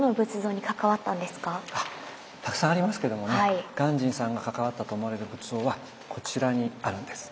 たくさんありますけどもね鑑真さんが関わったと思われる仏像はこちらにあるんです。